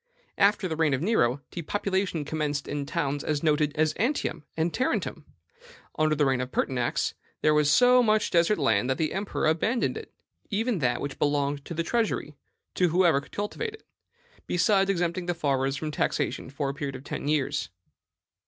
After the reign of Nero, depopulation commenced in towns as noted as Antium and Tarentum. Under the reign of Pertinax, there was so much desert land that the emperor abandoned it, even that which belonged to the treasury, to whoever would cultivate it, besides exempting the farmers from taxation for a period of ten years.